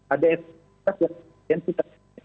ada yang mengatakan anggaran